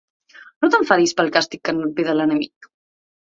No t'enfadis pel càstig que no et ve de l'enemic.